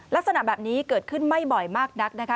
ลักษณะแบบนี้เกิดขึ้นไม่บ่อยมากนักนะคะ